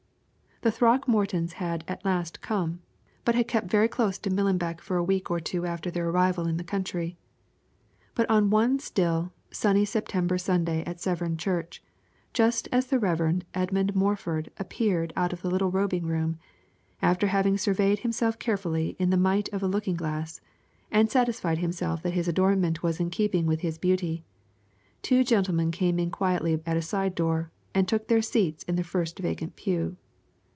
The Throckmortons had at last come, but had kept very close to Millenbeck for a week or two after their arrival in the county; but on one still, sunny September Sunday at Severn church, just as the Rev. Edmund Morford appeared out of the little robing room, after having surveyed himself carefully in the mite of a looking glass, and satisfied himself that his adornment was in keeping with his beauty, two gentlemen came in quietly at a side door, and took their seats in the first vacant pew.